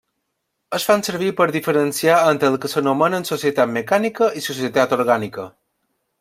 Es fan servir per a diferenciar entre el que s'anomenen societat mecànica i societat orgànica.